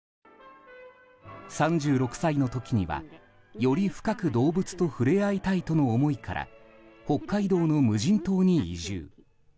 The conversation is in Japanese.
３６歳の時には、より深く動物と触れ合いたいとの思いから北海道の無人島に移住。